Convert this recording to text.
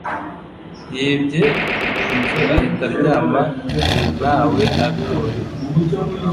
Yibye mu nzu ahita aryama ntawe abibonye.